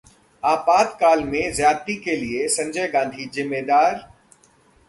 आपातकाल में ज्यादती के लिए संजय गांधी जिम्मेदार?